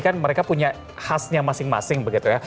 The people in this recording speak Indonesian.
kan mereka punya khasnya masing masing begitu ya